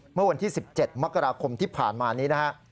เมื่อวันที่๑๗มกราคมที่ผ่านมานี้นะฮะ